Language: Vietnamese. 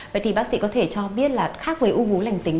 vậy thì bác sĩ có thể cho biết là khác với u vú lành tính